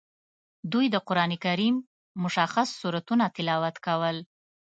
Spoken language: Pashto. دوی د قران کریم مشخص سورتونه تلاوت کول.